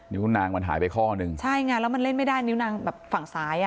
นางมันหายไปข้อหนึ่งใช่ไงแล้วมันเล่นไม่ได้นิ้วนางแบบฝั่งซ้ายอ่ะ